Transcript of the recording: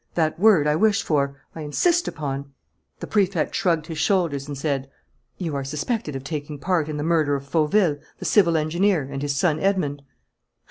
That word I wish for, I insist upon " The Prefect shrugged his shoulders and said: "You are suspected of taking part in the murder of Fauville, the civil engineer, and his son Edmond."